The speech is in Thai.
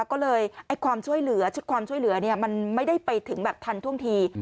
ก็เลยความช่วยเหลือมันไม่ได้ไปถึงแบบทันท่วงที